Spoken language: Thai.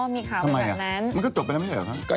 อ๋อมีข่าวแบบนั้นทำไมล่ะมันก็จบไปแล้วไม่ใช่หรือครับ